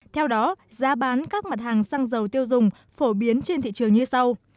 theo đó giá bán các mặt hàng xăng dầu tiêu dùng phổ biến trên thị trường như sau